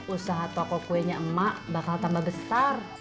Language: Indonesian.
usaha toko kuenya emak bakal tambah besar